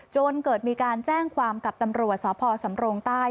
จนเกิดมีการแจ้งความกับตำรวจสพสำรงใต้